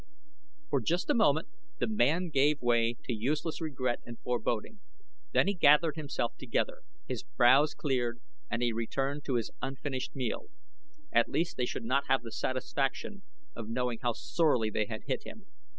For just a moment the man gave way to useless regret and foreboding, then he gathered himself together, his brows cleared, and he returned to his unfinished meal. At least they should not have the satisfaction of knowing how sorely they had hit him.